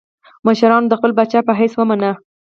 مشرانو د خپل پاچا په حیث ومانه.